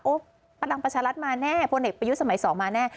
โอ๊ยประดังประชารัฐมาแน่โฮเน็ตประยุทธ์สมัยสองมาแน่